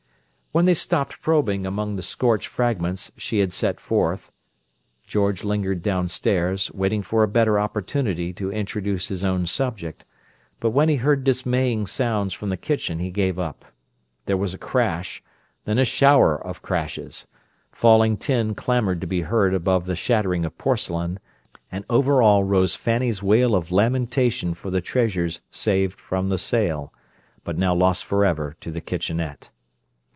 When they stopped probing among the scorched fragments she had set forth, George lingered downstairs, waiting for a better opportunity to introduce his own subject, but when he heard dismaying sounds from the kitchen he gave up. There was a crash, then a shower of crashes; falling tin clamoured to be heard above the shattering of porcelain; and over all rose Fanny's wail of lamentation for the treasures saved from the sale, but now lost forever to the "kitchenette."